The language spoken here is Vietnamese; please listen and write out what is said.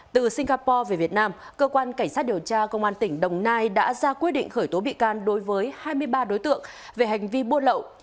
từ singapore về việt nam cơ quan cảnh sát điều tra công an tỉnh đồng nai đã ra quyết định khởi tố bị can đối với hai mươi ba đối tượng về hành vi buôn lậu